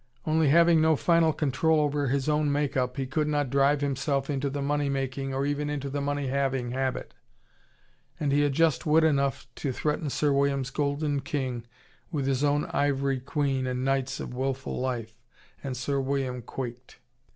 Only having no final control over his own make up, he could not drive himself into the money making or even into the money having habit. And he had just wit enough to threaten Sir William's golden king with his own ivory queen and knights of wilful life. And Sir William quaked.